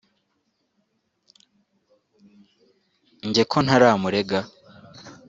Njye ko ntaramurega